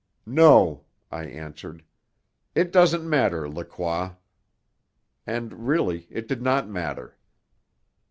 "No," I answered. "It doesn't matter, Lacroix." And, really, it did not matter.